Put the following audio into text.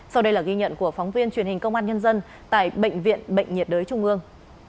sau đây là ghi nhận của phóng viên truyền hình công an nhân dân tại bệnh viện bệnh nhiệt đới trung ương